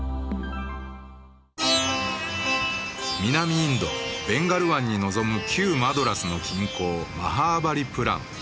南インド、ベンガル湾に望む旧マドラスの近郊マハーバリプラム。